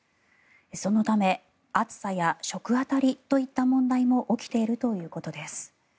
そのため、暑さや食あたりといった問題も起きているということです。